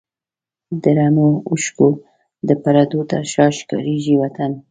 د رڼو اوښکو د پردو تر شا ښکارېږي وطن